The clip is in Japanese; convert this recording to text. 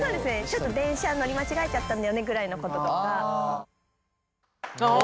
ちょっと電車乗り間違えちゃったんだよねぐらいのこととか。